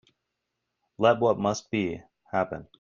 Let what must be, happen.